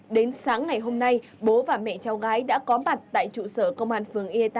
đến sáng ngày hôm nay bố và mẹ cháu gái đã có mặt tại trụ sở công an phường ea tám